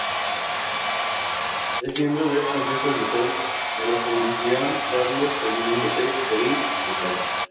Es miembro del consejo asesor e la Fundación Carlos Edmundo de Ory de Cádiz.